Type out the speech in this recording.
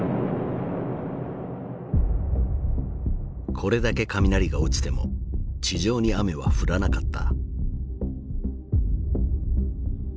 これだけ雷が落ちても地上に雨は降らなかった。